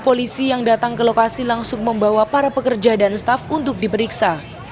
polisi yang datang ke lokasi langsung membawa para pekerja dan staff untuk diperiksa